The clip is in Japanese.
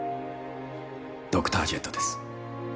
ドクタージェットです。